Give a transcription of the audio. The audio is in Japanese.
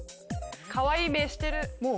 かわいい目してる。